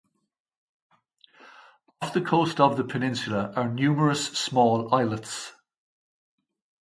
Off the coast of the peninsula are numerous small islets.